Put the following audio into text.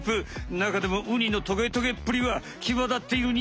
なかでもウニのトゲトゲっぷりはきわだっているウニ。